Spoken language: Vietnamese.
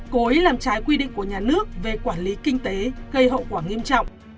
cố ý làm trái quy định của nhà nước về quản lý kinh tế gây hậu quả nghiêm trọng